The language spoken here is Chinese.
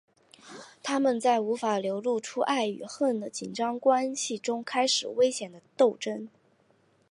他们在无法流露出爱与恨的紧张关系中开始危险的争斗。